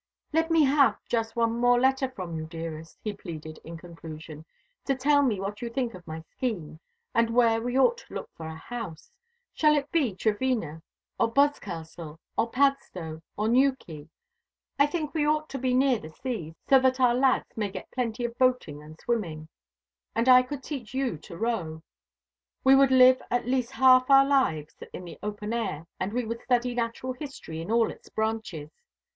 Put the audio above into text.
"Let me have just one more letter from you, dearest," he pleaded in conclusion, "to tell me what you think of my scheme, and where we ought to look for a house. Shall it be Trevena or Boscastle or Padstow or New Quay? I think we ought to be near the sea, so that our lads may get plenty of boating and swimming. And I could teach you to row. We would live at least half our lives in the open air, and we would study natural history in all its branches.